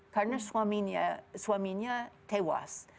karena suaminya tewas